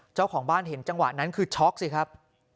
เจ้าของบ้านเห็นจังหวะนั้นคือช็อกสิครับ